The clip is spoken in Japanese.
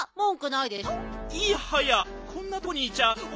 いやはやこんなとこにいちゃお